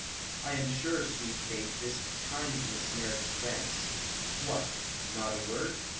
"I am sure, sweet Kate, this kindness merits thanks. What, not a word?